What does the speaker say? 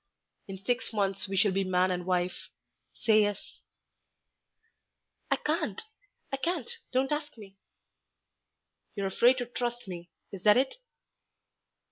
"In six months we shall be man and wife.... Say yes." "I can't... I can't, don't ask me." "You're afraid to trust me, is that it?"